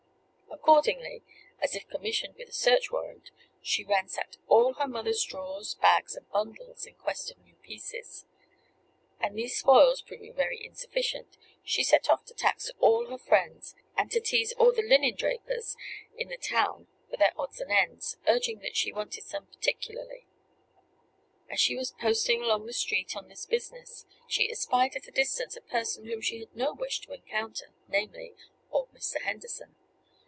Accordingly, as if commissioned with a search warrant, she ransacked all her mother's drawers, bags, and bundles in quest of new pieces; and these spoils proving very insufficient, she set off to tax all her friends, and to tease all the linen drapers in the town for their odds and ends, urging that she wanted some particularly. As she was posting along the street on this business, she espied at a distance a person whom she had no wish to encounter, namely, old Mr. Henderson.